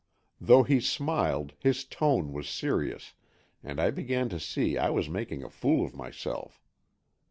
Though he smiled, his tone was serious, and I began to see I was making a fool of myself.